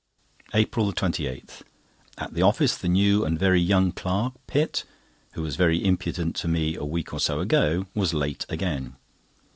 APRIL 28.—At the office, the new and very young clerk Pitt, who was very impudent to me a week or so ago, was late again.